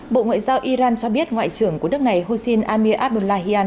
bộ ngoại giao iran cho biết ngoại trưởng của nước này housin amir abdullahian